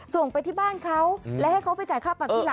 ส่งไปที่บ้านเขาและให้เขาไปจ่ายค่าปรับที่หลัง